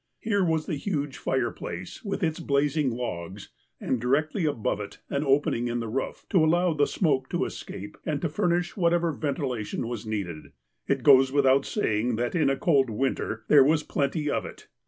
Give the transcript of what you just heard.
Here was the huge fireplace, with its blazing logs, and, directly above it, an opening in the roof, to allow the smoke to escape, and to furnish whatever ventilation was needed. It goes with out saying that, in a cold winter, there was plenty of it.